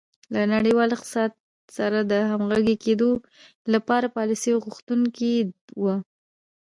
له نړیوال اقتصاد سره د همغږي کېدو لپاره پالیسیو غوښتونکې وه.